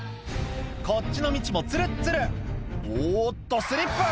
こっちの道もツルッツルおっとスリップ！